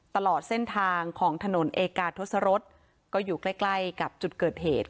ตลอดเส้นทางของถนนเอกาทศรษก็อยู่ใกล้ใกล้กับจุดเกิดเหตุ